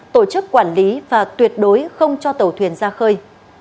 tổ chức quản lý và tuyệt đối không cho tàu thuyền ra khơi